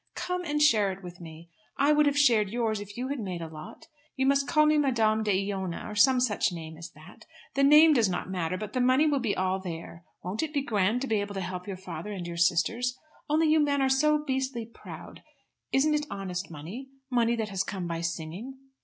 "Come and share it with me. I would have shared yours if you had made a lot. You must call me Madame de Iona, or some such name as that. The name does not matter, but the money will be all there. Won't it be grand to be able to help your father and your sisters! Only you men are so beastly proud. Isn't it honest money, money that has come by singing?"